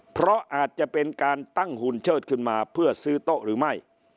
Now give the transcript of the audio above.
เพราะอาจจะเป็นการตั้งหุ่นเชิดขึ้นมาเพื่อซื้อโต๊ะหรือไม่